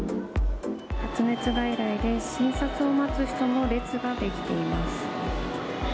発熱外来で診察を待つ人の列が出来ています。